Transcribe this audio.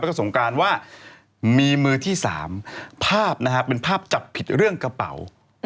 แล้วก็สงการว่ามีมือที่๓ภาพนะฮะเป็นภาพจับผิดเรื่องกระเป๋า